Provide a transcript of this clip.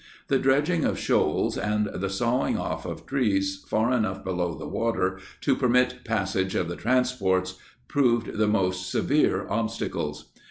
The dredging of shoals and the sawing off of trees far enough below the water to permit passage of the transports proved the most severe obstacles.